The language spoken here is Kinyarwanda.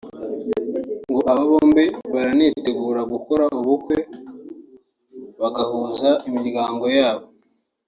ngo aba bombi baranitegura gukora ubukwe bagahuza imiryango yabo